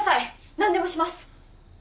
何でもします！